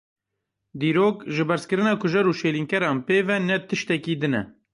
Dîrok, ji berzkirina kujer û şêlînkeran pê ve ne tiştekî din e.